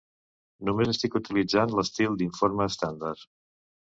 Només estic utilitzant l'estil d'informe estàndard.